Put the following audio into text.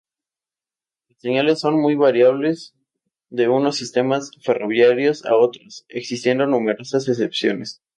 Las señales son muy variables de unos sistemas ferroviarios a otros, existiendo numerosas excepciones.